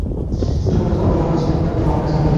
যুবরাজ, আমাদের মহারাজকে একবার কেবল আমার কাছে আনিয়া দিন।